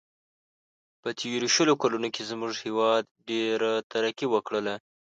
په تېرو شلو کلونو کې زموږ هیواد ډېره ترقي و کړله.